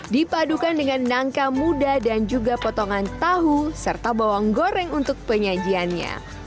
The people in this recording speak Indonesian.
dipadukan dengan nangka muda dan juga potongan tahu serta bawang goreng untuk penyajiannya